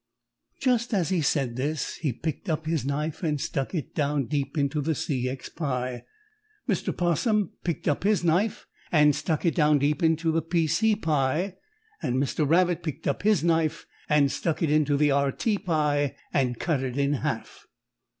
Just as he said this he picked up his knife and stuck it down deep into the C. X. pie. Mr. 'Possum picked up his knife and stuck it down deep into the P. C. pie, and Mr. Rabbit picked up his knife and stuck it into the R. T. pie and cut it in half.